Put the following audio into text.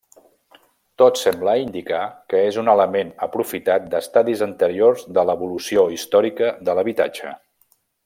Tot sembla indicar que és un element aprofitat d'estadis anteriors de l'evolució històrica de l'habitatge.